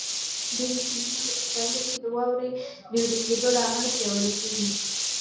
ډېری سیندونه په پسرلي کې د واورو د وېلې کېدو له امله پیاوړي کېږي.